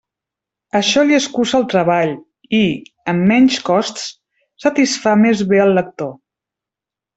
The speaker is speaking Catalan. Això li escurça el treball, i, amb menys costs, satisfà més bé el lector.